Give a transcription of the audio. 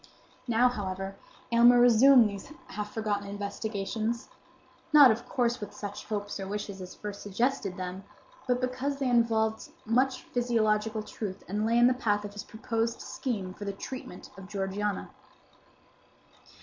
Now, however, Aylmer resumed these half forgotten investigations; not, of course, with such hopes or wishes as first suggested them; but because they involved much physiological truth and lay in the path of his proposed scheme for the treatment of Georgiana.